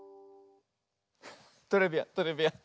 トレビアントレビアン。